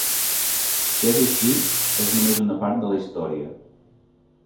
Si és així, és només una part de la història.